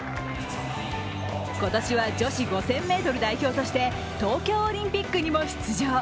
今年は女子５０００ｍ代表として東京オリンピックにも出場。